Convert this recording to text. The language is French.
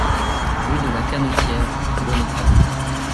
Rue de la Cannetiere, Bonnétable